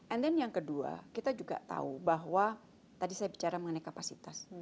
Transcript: and then yang kedua kita juga tahu bahwa tadi saya bicara mengenai kapasitas